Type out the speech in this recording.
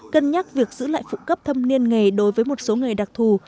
cân nhắc việc giữ lại phụ cấp thâm niên nghề đối với một số nghề đặc thù